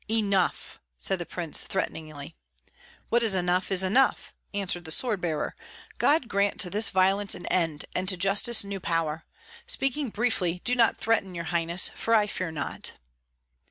"Enough!" said the prince, threateningly. "What is enough, is enough!" answered the sword bearer. "God grant to this violence an end, and to justice new power. Speaking briefly, do not threaten, your highness, for I fear not."